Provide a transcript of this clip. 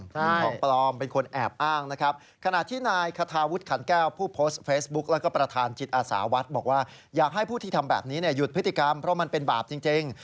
คุณทองปลอมเป็นคนแอบอ้างนะครับขณะที่นายคาทาวุฒิขันแก้วผู้โพสต์เฟซบุ๊กแล้วก็ประธานจิตอาสาวัดบอกว่าอยากให้ผู้ที่ทำแบบนี้เนี่ยหยุดพฤติกรรมเพราะมันเป็นบาปจริง